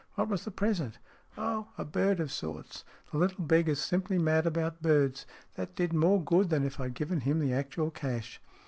What was the present ?"" Oh, a bird of sorts. The little beggar's simply mad about birds. That did more good than if I'd given him the actual cash."